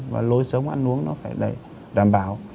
và lối sống ăn uống nó phải đảm bảo